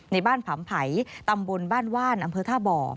ในบ้านผำไผ่ตำบลบ้านว่านอำเภอท่าบ่อ